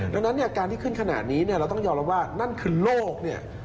ดังนั้นเนี่ยการที่ขึ้นขนาดนี้เนี่ยเราต้องยอมรับว่านั่นคือโลกเนี่ย